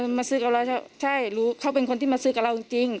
มาซื้อกับเราใช่รู้เขาเป็นคนที่มาซื้อกับเราจริง